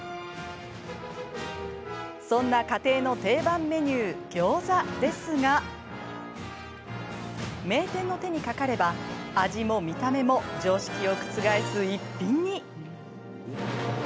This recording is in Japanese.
そんな家庭の定番メニューギョーザですが名店の手にかかれば味も見た目も常識を覆す逸品に。